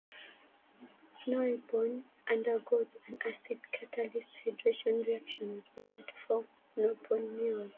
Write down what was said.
Norbornene undergoes an acid-catalyzed hydration reaction with water to form norborneol.